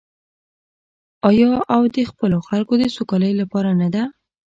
آیا او د خپلو خلکو د سوکالۍ لپاره نه ده؟